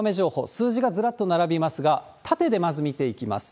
数字がずらっと並びますが、縦でまず見ていきます。